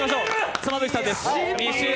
妻夫木さんです。